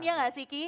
iya enggak sih ki